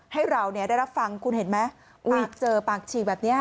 ให้เราเนี่ยได้รับฟังคุณเห็นไหมอุ๊ยเจอปากฉีกแบบเนี้ยค่ะ